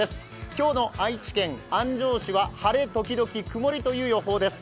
今日の愛知県安城市は晴れ時々曇りという予報です。